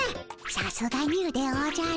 さすがニュでおじゃる。